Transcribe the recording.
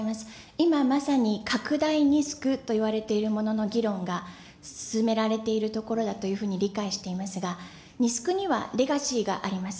今まさに、拡大といわれているものの議論が進められているところだというふうに理解していますが、にはレガシーがあります。